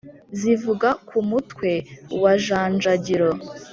zivuga ku mutwe wa janjagiro